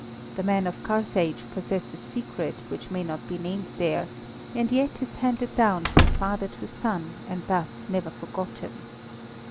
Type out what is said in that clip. The men of Carthage possess a secret which may not be named there, and yet is handed down from father to son and thus never forgotten.